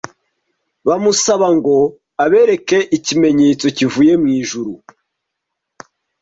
bamusaba ngo abereke ikimenyetso kivuye mu ijuru